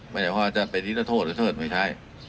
ไม่ใช่ว่าจะเป็นที่จะโทษเถอะเถิดไม่ใช่